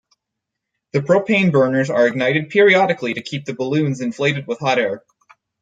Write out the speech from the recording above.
The propane burners are ignited periodically to keep the balloons inflated with hot air.